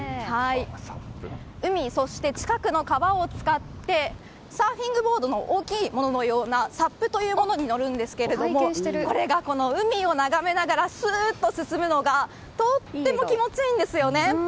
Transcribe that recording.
海、そして近くの川を使ってサーフィングボードの大きいもののようなＳＵＰというものに乗るんですが海を眺めながらすっと進むのがとても気持ちいいんですよね。